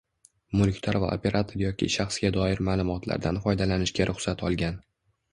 mulkdor va operator yoki shaxsga doir ma’lumotlardan foydalanishga ruxsat olgan